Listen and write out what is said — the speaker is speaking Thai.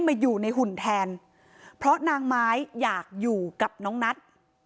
ผมก็กลัวจะเป็นอย่างนั้น